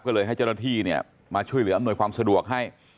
ก็เลยให้เจ้าหน้าที่มาช่วยเหลืออำนวยความสะดวกให้